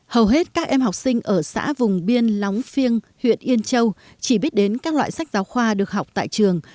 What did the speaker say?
hầu hết các em học sinh ở xã vùng biên lóng phiêng huyện yên châu chỉ biết đến các loại sách giáo khoa được học tại trường